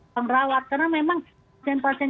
pengrawat karena memang pasien pasien